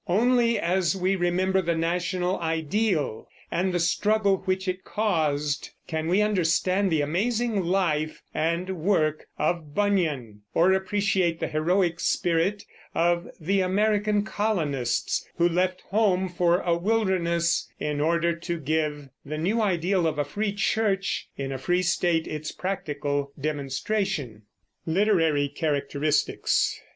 Only as we remember the national ideal, and the struggle which it caused, can we understand the amazing life and work of Bunyan, or appreciate the heroic spirit of the American colonists who left home for a wilderness in order to give the new ideal of a free church in a free state its practical demonstration. LITERARY CHARACTERISTICS.